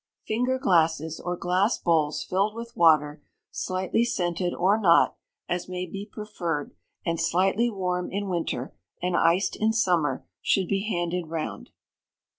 Finger glasses, or glass bowls, filled with water, slightly scented or not, as may be preferred, and slightly warm in winter, and iced in summer, should be handed round.